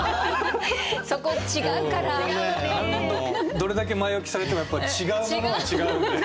どれだけ前置きされてもやっぱり違うものは違うんで。